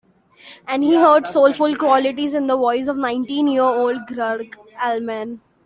And he heard soulful qualities in the voice of nineteen-year-old Gregg Allman.